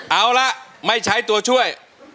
เอาละไม่ใช้ตัวช่วย